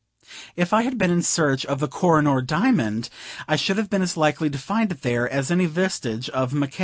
If I had been in search of the Koh i noor diamond I should have been as likely to find it there as any vestige of Mc K.